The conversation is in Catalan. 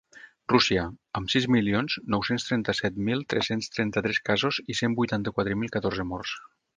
Rússia, amb sis milions nou-cents trenta-set mil tres-cents trenta-tres casos i cent vuitanta-quatre mil catorze morts.